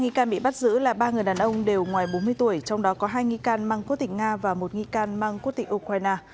hai nghi can bị bắt giữ là ba người đàn ông đều ngoài bốn mươi tuổi trong đó có hai nghi can mang quốc tịch nga và một nghi can mang quốc tịch ukraine